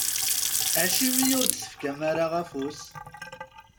Acimi ur d-tefkam ara afus?